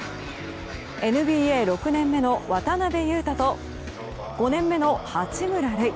ＮＢＡ６年目の渡邊雄太と５年目の八村塁。